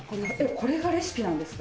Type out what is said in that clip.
これがレシピなんですか？